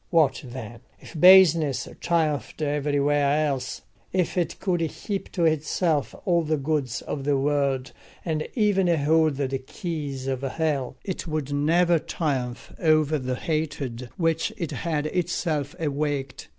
What then? If baseness triumphed everywhere else, if it could heap to itself all the goods of the world and even hold the keys of hell, it would never triumph over the hatred which it had itself awakened.